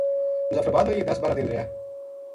مظفرآباد ما یہ دس بارہ دن رہیا